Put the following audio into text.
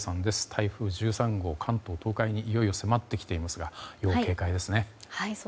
台風１３号、関東・東海にいよいよ迫ってきていますが要警戒ですね。